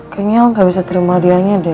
kayaknya el gak bisa terima hadiahnya deh